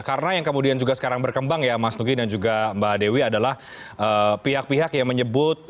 karena yang kemudian juga sekarang berkembang ya mas nugi dan juga mbak dewi adalah pihak pihak yang menyebut